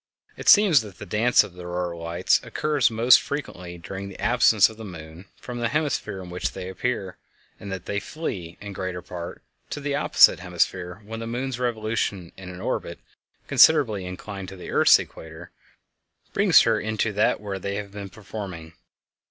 It seems that the dance of the auroral lights occurs most frequently during the absence of the moon from the hemisphere in which they appear, and that they flee, in greater part, to the opposite hemisphere when the moon's revolution in an orbit considerably inclined to the earth's equator brings her into that where they have been performing.